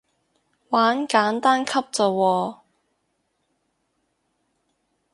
玩簡單級咋喎